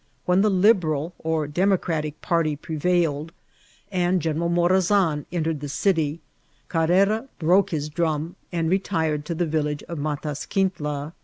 When the LSbenl or Democratic party prerailed, and Qenend McNMttan Altered the city, Carrera broke im drum and retired to the Tillage of Mataequintla.